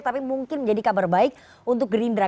tapi mungkin menjadi kabar baik untuk gerindra